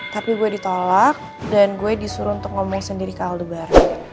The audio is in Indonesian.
tapi gue ditolak dan gue disuruh untuk ngomong sendiri ke aldo baru